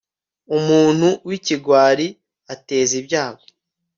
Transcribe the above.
umuntu w'ikigwari ateza ibyago